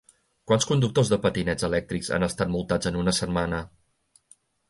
Quants conductors de patinets elèctrics han estat multats en una setmana?